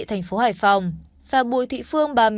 tp hải phòng và bùi thị phương